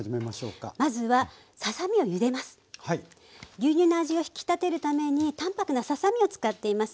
牛乳の味を引き立てるために淡泊なささ身を使っています。